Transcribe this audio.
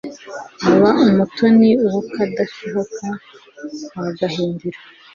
Aba umutoni w'akadasohoka kwa Gahindiro